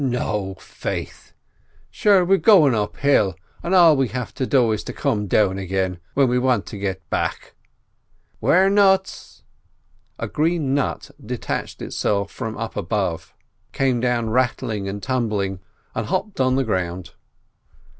No, faith; sure we're goin' uphill, an' all we have to do is to come down again, when we want to get back—ware nuts!" A green nut detached from up above came down rattling and tumbling and hopped on the ground.